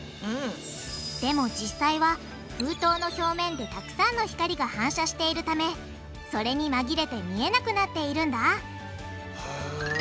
でも実際は封筒の表面でたくさんの光が反射しているためそれに紛れて見えなくなっているんだへぇ。